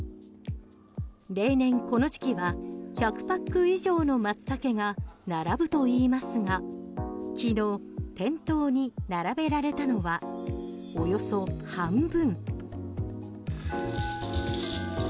例年この時期は１００パック以上のマツタケが並ぶといいますが昨日、店頭に並べられたのはおよそ半分。